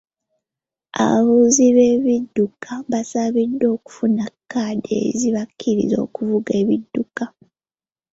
Abavuzi b'ebidduka baasabibwa okufuna kaadi ezibakkiriza okuvuga ebidduka.